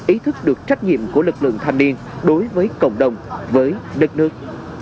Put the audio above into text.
ý thức được trách nhiệm của lực lượng thanh niên đối với cộng đồng với đất nước